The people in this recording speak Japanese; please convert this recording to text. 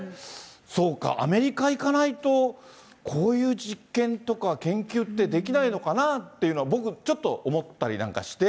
そうか、アメリカに行かないと、こういう実験とか研究ってできないのかなっていうのは、僕、ちょっと思ったりなんかして。